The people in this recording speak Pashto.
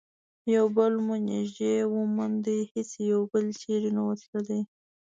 یو بل مو نژدې وموند، هیڅ یو بل چیري نه وو تللي.